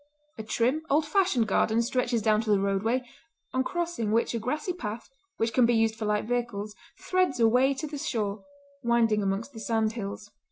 A trim old fashioned garden stretches down to the roadway, on crossing which a grassy path, which can be used for light vehicles, threads a way to the shore, winding amongst the sand hills.